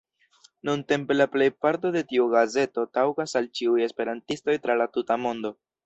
Nuntempe la plejparto de tiu gazeto taŭgas al ĉiuj esperantistoj tra la tuta mondo.